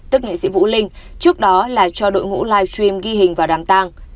tức nghệ sĩ vũ linh trước đó là cho đội ngũ livestream ghi hình vào đám tang